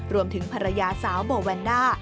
รวมถึงภรรยาสาวบวัลวันด้า